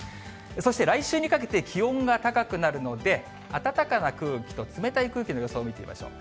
そして来週にかけて気温が高くなるので、暖かな空気と冷たい空気の予想を見てみましょう。